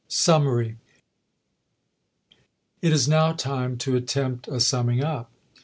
SUMMARY It is now time to attempt a summing up.